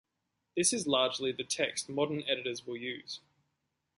This is largely the text modern editors will use.